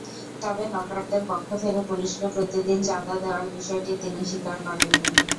তবে হকারদের পক্ষ থেকে পুলিশকে প্রতিদিন চাঁদা দেওয়ার বিষয়টি তিনি স্বীকার করেননি।